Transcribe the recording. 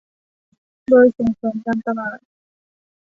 โดยส่งเสริมการตลาด